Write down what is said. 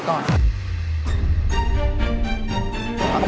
ขอบคุณครับ